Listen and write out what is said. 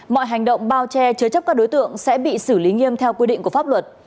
mọi hành động bao che chứa chấp các đối tượng sẽ bị xử lý nghiêm theo quy định của pháp luật